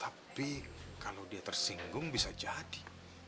tapi kalau dia tersinggung bisa jadi